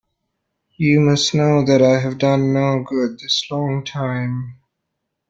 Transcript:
You must know that I have done no good this long time.